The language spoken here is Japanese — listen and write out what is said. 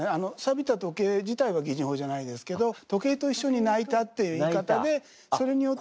「びた時計」自体は擬人法じゃないですけど時計と一緒に泣いたっていう言い方でそれによって。